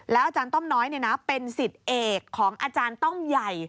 อาจารย์ต้อมน้อยเป็นสิทธิ์เอกของอาจารย์ต้อมใหญ่